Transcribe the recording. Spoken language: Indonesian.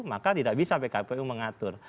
maka tidak bisa pkpu mengatur